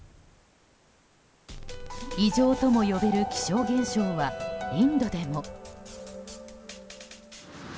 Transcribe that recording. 異常とも呼べる気象現象はインドでも。